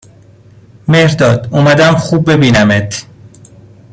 مهرداد اومدم خوب ببینمت